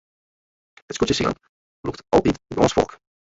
It skûtsjesilen lûkt altyd gâns folk.